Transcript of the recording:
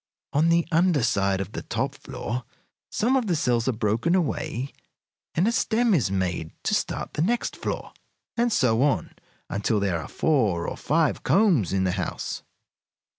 On the under side of the top floor some of the cells are broken away and a stem is made to start the next floor, and so on, until there are four or five combs in the house.